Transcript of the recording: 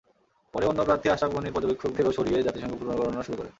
পরে অন্য প্রার্থী আশরাফ গনির পর্যবেক্ষকদেরও সরিয়ে জাতিসংঘ পুনর্গণনা শুরু করে।